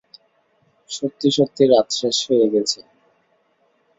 সত্যি-সত্যি রাত শেষ হয়ে গেছে।